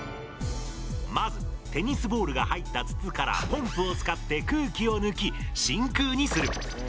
まずテニスボールが入った筒からポンプを使って空気を抜き真空にする。